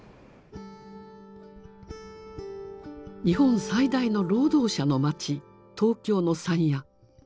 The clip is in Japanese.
日本最大の労働者の街東京の山谷。